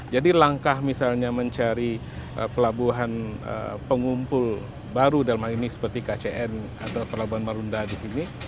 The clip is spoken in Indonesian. jadi langkah misalnya mencari pelabuhan pengumpul baru dalam hal ini seperti kcn atau pelabuhan marunda di sini